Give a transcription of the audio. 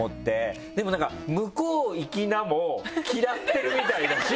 でもなんか「向こう行きな」も嫌ってるみたいだし。